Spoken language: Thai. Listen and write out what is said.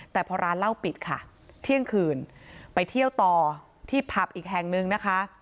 แต่พอร้านเหล้าปิดค่ะเที่ยงคืนไปเที่ยวต่อที่ผับอีกแห่งนึงนะคะ